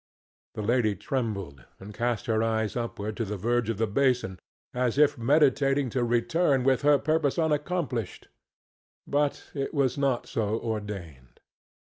The lady trembled and cast her eyes upward to the verge of the basin, as if meditating to return with her purpose unaccomplished. But it was not so ordained.